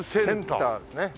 センターですね。